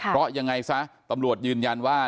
เพราะยังไงซะตำรวจยืนยันว่า